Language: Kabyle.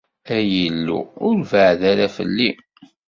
Ay Illu, ur beɛɛed ara fell-i!